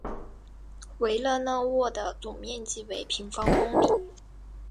维勒讷沃的总面积为平方公里。